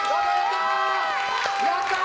やったー！